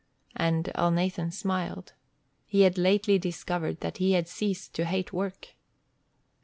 And Elnathan smiled. He had lately discovered that he had ceased to hate work.